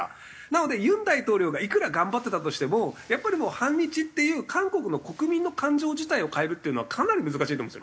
なので尹大統領がいくら頑張ってたとしてもやっぱりもう反日っていう韓国の国民の感情自体を変えるっていうのはかなり難しいと思うんですよ。